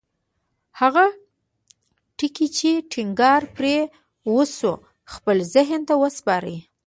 هغه ټکي چې ټينګار پرې وشو خپل ذهن ته وسپارئ.